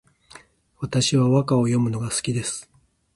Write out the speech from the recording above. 私は和歌を詠むのが好きです